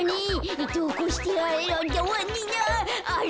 あれ？